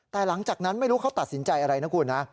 แต่หลังจากนั้นไม่รู้เขาตัดสินใจอะไรนะคุณนะ